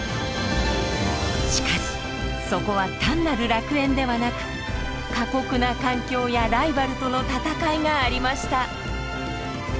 しかしそこは単なる楽園ではなく過酷な環境やライバルとの戦いがありました。